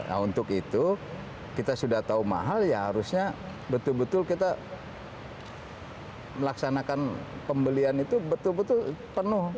nah untuk itu kita sudah tahu mahal ya harusnya betul betul kita melaksanakan pembelian itu betul betul penuh